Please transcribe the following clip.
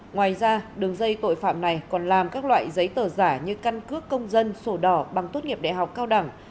ngoài ra đường dây tội phạm này còn làm các loại giấy tờ giả như căn cước công dân sổ đỏ bằng tốt nghiệp đại học cao đẳng